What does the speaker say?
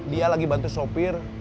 dia lagi bantu sopir